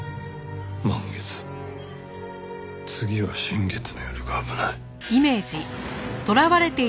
次は新月の夜が危ない。